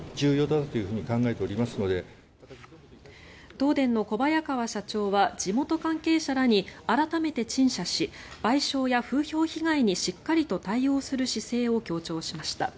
東電の小早川社長は地元関係者らに改めて陳謝し賠償や風評被害にしっかりと対応する姿勢を強調しました。